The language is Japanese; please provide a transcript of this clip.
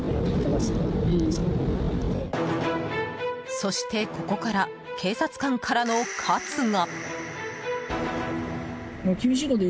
そして、ここから警察官からの喝が。